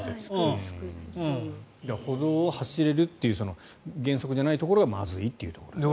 歩道を走れるという原則じゃないところはまずいということですね。